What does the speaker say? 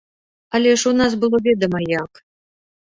Але ж у нас было ведама як.